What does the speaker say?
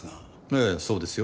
ええそうですよ。